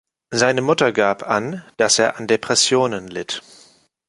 Seine Mutter gab an, dass er an Depressionen litt.